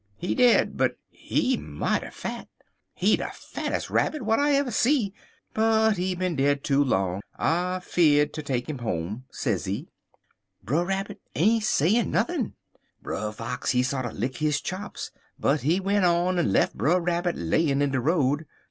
He dead, but he mighty fat. He de fattes' rabbit w'at I ever see, but he bin dead too long. I feard ter take 'im home,' sezee. "Brer Rabbit ain't sayin' nuthin'. Brer Fox, he sorter lick his chops, but he went on en lef' Brer Rabbit layin' in de road.